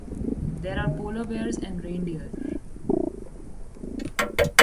There are polar bears and reindeer.